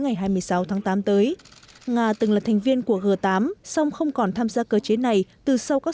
ngày hai mươi sáu tháng tám tới nga từng là thành viên của g tám xong không còn tham gia cơ chế này từ sau các